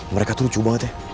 mereka tuh lucu banget ya